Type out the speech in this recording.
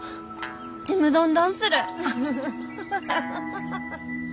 ちむどんどんする。